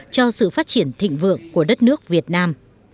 cho sự phát triển thịnh vượng của đất nước việt nam